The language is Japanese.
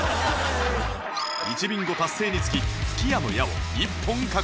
１ビンゴ達成につき吹き矢の矢を１本獲得